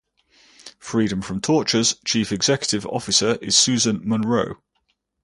Freedom from Torture's chief executive officer is Susan Munroe.